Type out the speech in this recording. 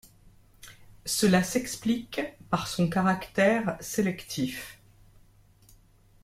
Cela s'explique par son caractère sélectif.